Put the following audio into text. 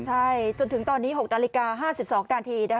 ใช่จนถึงตอนนี้๖นาฬิกา๕๒นาที